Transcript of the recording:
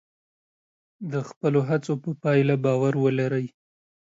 د خپلو هڅو په پایله باور ولرئ.